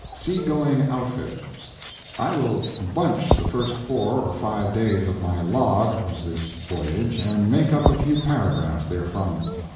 SEA GOING OUTFIT I will "bunch" the first four or five days of my "log" of this voyage and make up a few paragraphs therefrom.